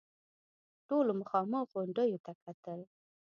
ټولو مخامخ غونډيو ته کتل.